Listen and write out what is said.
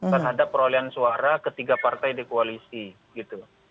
terhadap perolehan suara ketiga partai di koalisi gitu